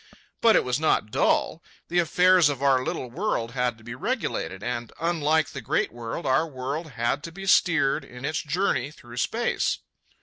But it was not dull. The affairs of our little world had to be regulated, and, unlike the great world, our world had to be steered in its journey through space.